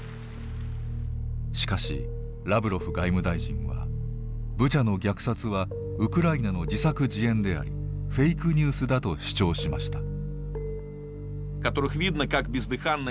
しかしラブロフ外務大臣はブチャの虐殺はウクライナの自作自演でありフェイクニュースだと主張しました。